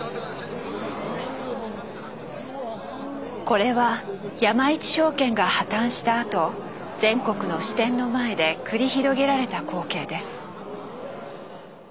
これは山一証券が破たんしたあと全国の支店の前で繰り広げられた光景です。